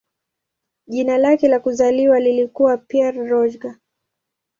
Jina lake la kuzaliwa lilikuwa "Pierre Roger".